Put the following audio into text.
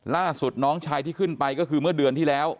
ล่าสุดน้องชายที่ขึ้นไปก็คือเมื่อเดือนที่แล้ว